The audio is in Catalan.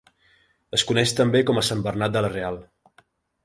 Es coneix també com a Sant Bernat de la Real.